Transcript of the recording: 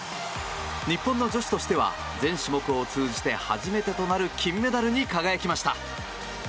日本の女子としては全種目を通じて初めてとなる金メダルに輝きました。